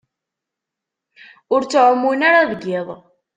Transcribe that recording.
Ur ttɛumun ara deg iḍ.